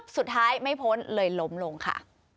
สุดท้ายไม่พ้นเลยล้มลงค่ะ